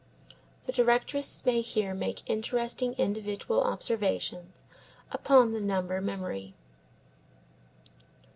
The directress may here make interesting individual observations upon the number memory.